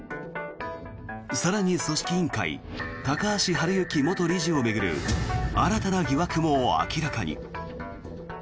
更に、組織委員会高橋治之元理事を巡る新たな疑惑も明らかに。